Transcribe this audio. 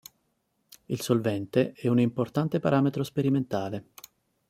Il solvente è un importante parametro sperimentale.